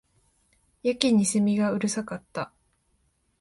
やけに蝉がうるさかった